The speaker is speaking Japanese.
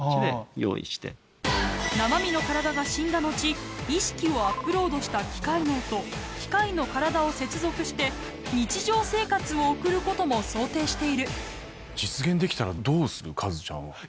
生身の体が死んだのち意識をアップロードした機械脳と機械の体を接続して日常生活を送ることも想定しているカズちゃんは。